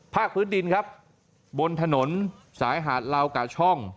พื้นดินครับบนถนนสายหาดลาวกาช่อง